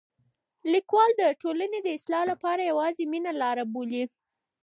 لیکوال د ټولنې د اصلاح لپاره یوازې مینه لاره بولي.